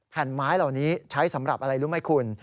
แผ่นไม้เหล่านี้ใช้สำหรับอะไรรู้ไหมคุณ